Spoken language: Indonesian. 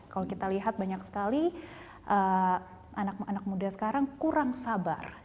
kalau kita lihat banyak sekali anak anak muda sekarang kurang sabar